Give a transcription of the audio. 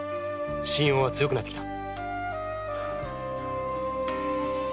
心音が強くなってきた。